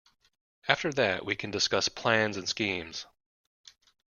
After that we can discuss plans and schemes.